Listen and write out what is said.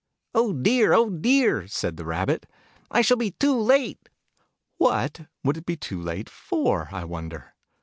" Oh dear, oh dear !" said the Rabbit. " I shall be too late !" What would it be too late for , I wonder?